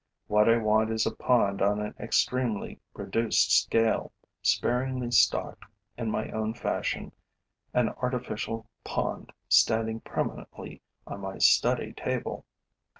What I want is a pond on an extremely reduced scale, sparingly stocked in my own fashion an artificial pond standing permanently on my study table.